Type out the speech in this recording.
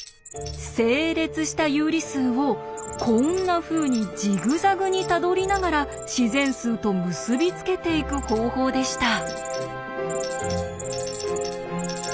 整列した有理数をこんなふうにジグザグにたどりながら自然数と結び付けていく方法でした。